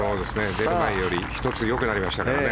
デッドラインより１つよくなりましたからね。